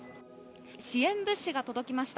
支援物資が届きました。